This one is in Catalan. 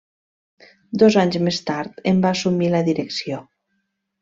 Dos anys més tard en va assumir la direcció.